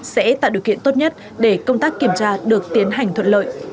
sẽ tạo điều kiện tốt nhất để công tác kiểm tra được tiến hành thuận lợi